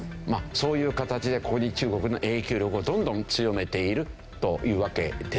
そういう形でここに中国の影響力をどんどん強めているというわけですよね。